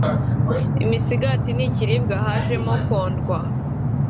imisigati ntikiribwa hajemo nkondwa”